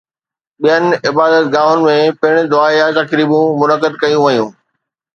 ٻين عبادتگاهن ۾ پڻ دعائيه تقريبون منعقد ڪيون ويون